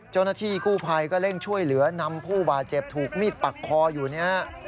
เจ้าหน้าที่กู้ภัยก็เร่งช่วยเหลือนำผู้บาดเจ็บถูกมีดปักคออยู่เนี่ยฮะ